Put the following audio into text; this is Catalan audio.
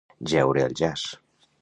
Jeure al jaç.